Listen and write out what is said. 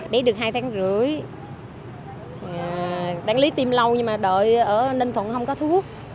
bé được hai tháng rưỡi đáng lý tiêm lâu nhưng mà đợi ở ninh thuận không có thuốc